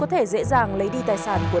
ờ thế thôi cầm lấy tạm nha